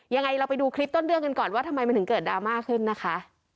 ยังไงเราไปดูคลิปต้นเรื่องกันก่อนว่าทำไมมันถึงเกิดดราม่าขึ้นนะคะ